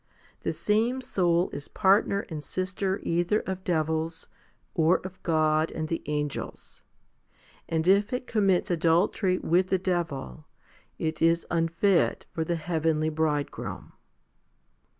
The same soul is partner and sister either of devils, or of God and the angels ; and if it com mits adultery with the devil, it is unfit for the heavenly Bridegroom.